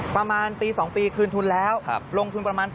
ประมาณปี๒ปีคืนทุนแล้วลงทุนประมาณ